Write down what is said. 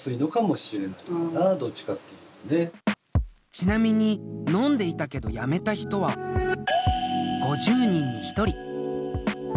ちなみに飲んでいたけどやめた人は５０人に１人。